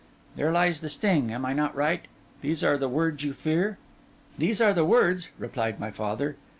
There lies the sting. Am I not right? These are the words you fear?' 'These are the words,' replied my father.